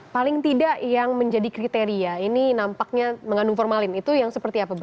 paling tidak yang menjadi kriteria ini nampaknya mengandung formalin itu yang seperti apa bu